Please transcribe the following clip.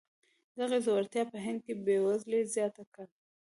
دغې ځوړتیا په هند کې بېوزلي زیاته کړه.